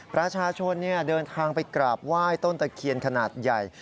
ประชาชนเดินทางไปกราบไหว้ต้นตะเคียนขนาดใหญ่